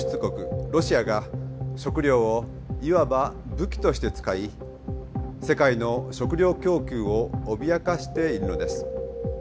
ロシアが食料をいわば武器として使い世界の食料供給を脅かしているのです。